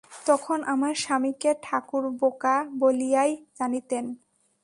তখন আমার স্বামীকে ঠাকুর বোকা বলিয়াই জানিতেন।